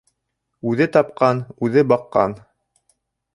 Үҙе тапҡан, үҙе баҡҡан.